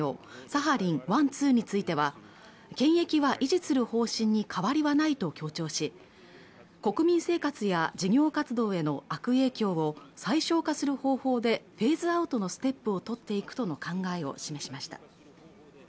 サハリン１・２については権益は維持する方針に変わりはないと強調し国民生活や事業活動への悪影響を最小化する方法でフェイズアウトのステップを取っていくとの考えを示しました